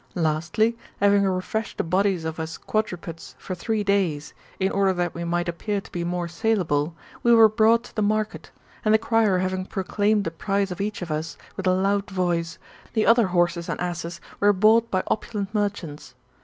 Lastly, having refreshed the bodies of us quadrupeds, for three days, in order that we might appear to be more saleable, we were brought to the market; and the crier having proclaimed the price of each of us, with a loud voice, the other horses and asses were bought by opulent merchants.